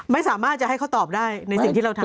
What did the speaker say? ไม่สามารถจะให้เขาตอบได้ในสิ่งที่เราทำ